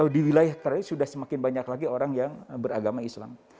di wilayah karya sudah semakin banyak lagi orang yang beragama islam